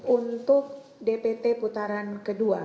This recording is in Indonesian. untuk dpt putaran kedua